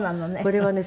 これはね